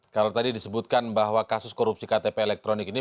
kalau tadi disebutkan bahwa kasus korupsi ktp elektronik ini